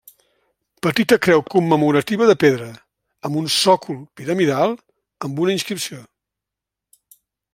Petita creu commemorativa de pedra, amb un sòcol piramidal amb una inscripció.